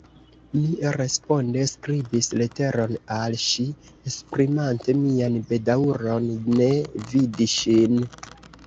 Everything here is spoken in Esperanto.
Mi responde skribis leteron al ŝi, esprimante mian bedaŭron ne vidi ŝin.